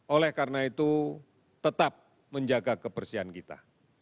oleh karena itu tetap menjaga kebersihan kita